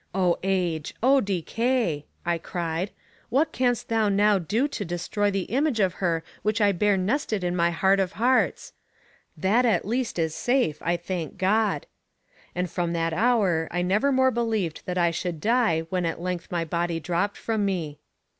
O Age! O Decay! I cried, what canst thou now do to destroy the image of her which I bear nested in my heart of hearts? That at least is safe, I thank God. And from that hour I never more believed that I should die when at length my body dropped from me.